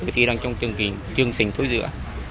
thì đang trong chương trình thối dựa